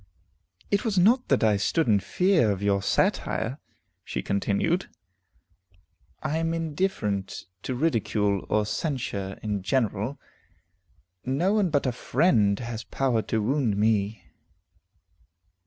"It was not that I stood in fear of your satire," she continued; "I am indifferent to ridicule or censure in general; no one but a friend has power to wound me."